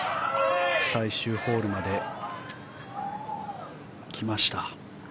最終ホールまで来ました。